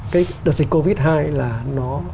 cái đợt dịch covid hai là nó